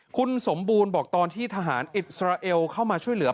คุณสมบูรณ์บอกตอนที่ทหารอิสราเอลเข้ามาช่วยเหลือ